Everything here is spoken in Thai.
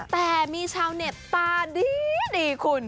แต่มีชาวเน็ตตาดีคุณ